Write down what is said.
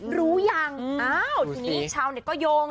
หาวเดี๋ยววินาทีนี้ชาวเน็ตก็ยง